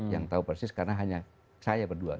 yang tahu persis karena hanya saya berdua